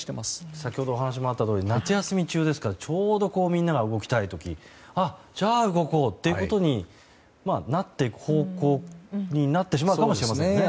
先ほどお話があったように夏休み中ですからみんなが動きたい時にあ、じゃあ動こうとなっていく方向になってしまうかもしれませんよね。